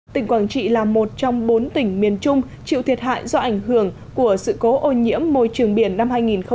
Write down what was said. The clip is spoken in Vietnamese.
tỉnh quảng trị là một trong bốn tỉnh miền trung chịu thiệt hại do ảnh hưởng của sự cố ô nhiễm môi trường biển năm hai nghìn một mươi tám